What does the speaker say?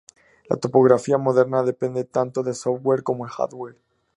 La topografía moderna depende tanto del software como del hardware.